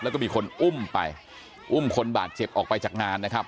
แล้วก็มีคนอุ้มไปอุ้มคนบาดเจ็บออกไปจากงานนะครับ